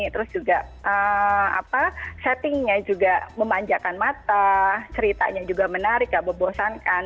terus juga settingnya juga memanjakan mata ceritanya juga menarik gak membosankan